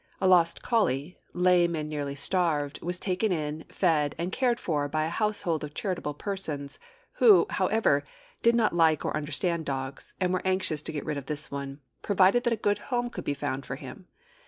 A lost collie, lame and nearly starved, was taken in, fed, and cared for by a household of charitable persons, who, however, did not like or understand dogs, and were anxious to get rid of this one, provided that a good home could be found for him.